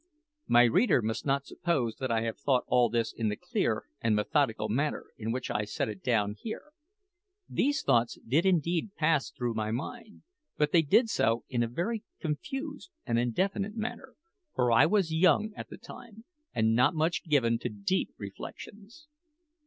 My reader must not suppose that I thought all this in the clear and methodical manner in which I have set it down here. These thoughts did indeed pass through my mind; but they did so in a very confused and indefinite manner, for I was young at that time and not much given to deep reflections.